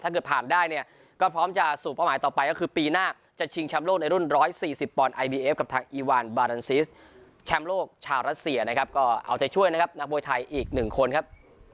เกิดผ่านได้เนี่ยก็พร้อมจะสู่เป้าหมายต่อไปก็คือปีหน้าจะชิงแชมป์โลกในรุ่น๑๔๐ปอนดไอบีเอฟกับทางอีวานบารันซิสแชมป์โลกชาวรัสเซียนะครับก็เอาใจช่วยนะครับนักมวยไทยอีก๑คนครับ